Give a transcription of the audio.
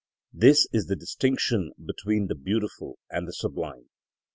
This is the distinction between the beautiful and the sublime.